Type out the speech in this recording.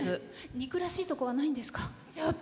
憎らしいところはないんですか？